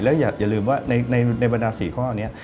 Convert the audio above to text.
แล้วอย่าลืมว่าในบรรดา๔ข้อนี้